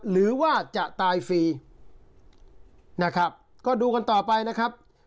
หรือว่าจะตายฟรีนะครับก็ดูกันต่อไปนะครับ